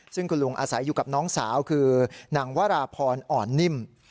ซึ่งคุณลุงอาศัยอยู่กับน้องสาวคือนางวราพรอ่อนนิ่ม